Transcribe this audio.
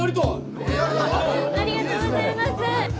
ありがとうございます。